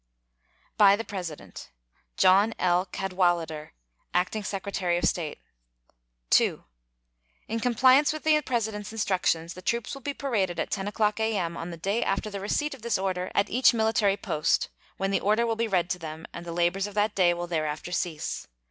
By the President: JOHN L. CADWALADER, Acting Secretary of State. II. In compliance with the President's instructions, the troops will be paraded at 10 o'clock a.m. on the day after the receipt of this order at each military post, when the order will be read to them, and the labors of that day will thereafter cease.